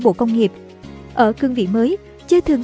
bộ công nghiệp ở cương vị mới che thường